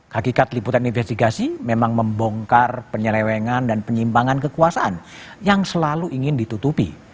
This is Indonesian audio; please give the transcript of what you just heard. hakikat liputan investigasi memang membongkar penyelewengan dan penyimpangan kekuasaan yang selalu ingin ditutupi